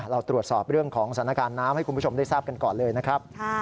เราตรวจสอบเรื่องของสถานการณ์น้ำให้คุณผู้ชมได้ทราบกันก่อนเลยนะครับ